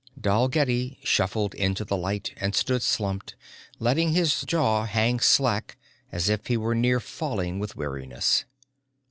Dalgetty shuffled into the light and stood slumped, letting his jaw hang slack as if he were near falling with weariness.